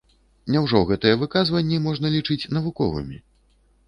Няўжо гэтыя выказванні можна лічыць навуковымі?